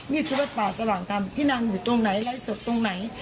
นี่คือบัตรป่าสว่างทำพี่นางอยู่ตรงไหนไล่ศพตรงไหน